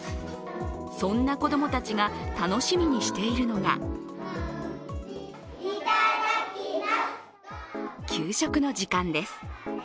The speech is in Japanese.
そんな子供たちが楽しみにしているのが給食の時間です。